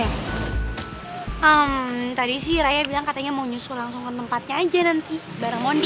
hmm tadi sih raya bilang katanya mau nyusul langsung ke tempatnya aja nanti bareng monding